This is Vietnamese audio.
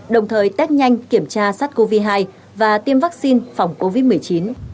đồng thời test nhanh kiểm tra sát covid một mươi chín và tiêm vaccine phòng covid một mươi chín